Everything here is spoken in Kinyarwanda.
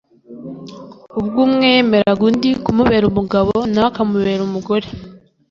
ubwo umwe yemereraga undi kumubera umugabo na we akamubera umugore